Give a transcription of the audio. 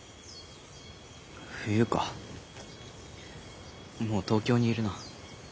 冬かもう東京にいるな。